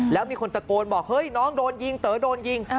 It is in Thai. แล้วมีคนตะโกนบอกเฮ้ยน้องโดนยิงเต๋อโดนยิง